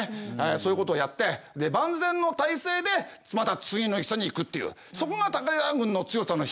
そういうことをやって万全の体制でまた次の戦に行くっていうそこが武田軍の強さの秘密でしょうね。